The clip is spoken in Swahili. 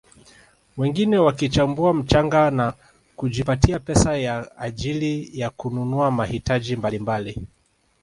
Wengine wakichambua mchanga na kujipatia pesa kwa ajili ya kununua mahitaji mbalimbali